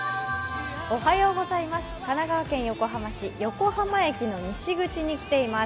神奈川県横浜市、横浜駅の西口に来ています。